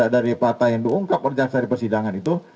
dari fakta yang diungkap oleh jaksa di persidangan itu